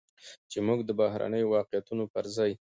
چې موږ د بهرنيو واقعيتونو پرځاى